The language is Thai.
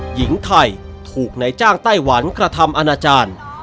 หญิงไทยถูกนายจ้างไต้หวันกระทำอาณาจารย์